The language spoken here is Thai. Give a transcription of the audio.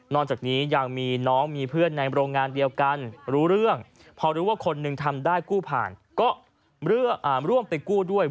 จากนี้ยังมีน้องมีเพื่อนในโรงงานเดียวกันรู้เรื่องพอรู้ว่าคนหนึ่งทำได้กู้ผ่านก็ร่วมไปกู้ด้วย